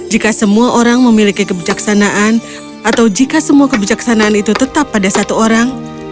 jika semua orang memiliki kebijaksanaan atau jika semua kebijaksanaan itu tetap pada satu orang